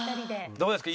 どうですか？